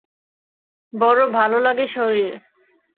বড় ভালো লাগে শশীর।